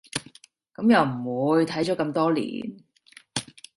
噉又唔會，睇咗咁多年